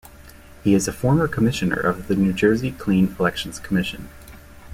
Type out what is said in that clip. He is a former Commissioner of the New Jersey Clean Elections Commission.